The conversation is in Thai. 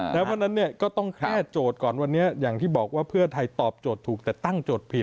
เพราะฉะนั้นเนี่ยก็ต้องแค่โจทย์ก่อนวันนี้อย่างที่บอกว่าเพื่อไทยตอบโจทย์ถูกแต่ตั้งโจทย์ผิด